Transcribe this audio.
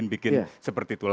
jadi kita harus menghapuskan